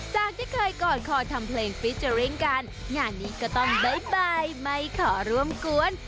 จากที่เคยกอดคอทำเพลงฟิเจอร์ริ่งกันงานนี้ก็ต้องบ๊ายบายไม่ขอร่วมกวน